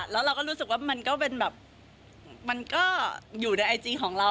แล้วเราก็รู้สึกว่ามันก็เป็นแบบมันก็อยู่ในไอจีของเรา